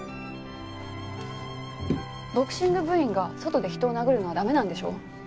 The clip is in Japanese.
ボクシング部員が外で人を殴るのは駄目なんでしょ？